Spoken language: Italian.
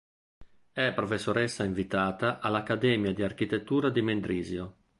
È professoressa invitata all'Accademia di Architettura di Mendrisio.